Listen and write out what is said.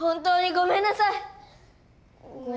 ごめんなさい。